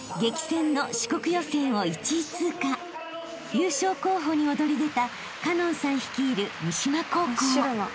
［優勝候補に躍り出た花音さん率いる三島高校］